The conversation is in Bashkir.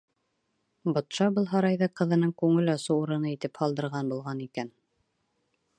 Батша был һарайҙы ҡыҙының күңел асыу урыны итеп һалдырған булған икән.